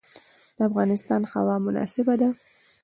د افغانستان هوا مناسبه ده.